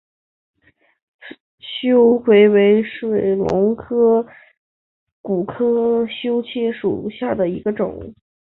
修蕨为水龙骨科修蕨属下的一个种。